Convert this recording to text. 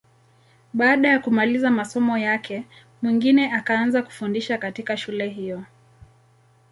Baada ya kumaliza masomo yake, Mwingine akaanza kufundisha katika shule hiyo.